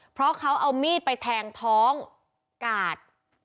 เพราะเขาเอามีดไปแทงท้องกาด